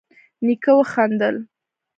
نيکه وخندل: